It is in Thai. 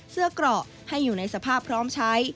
เกราะให้อยู่ในสภาพพร้อมใช้